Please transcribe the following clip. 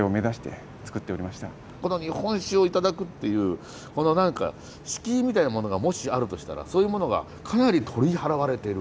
この日本酒を頂くっていう何か敷居みたいなものがもしあるとしたらそういうものがかなり取り払われてる。